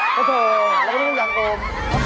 โอ้โธ่แล้วก็ไม่ต้องอย่างโอม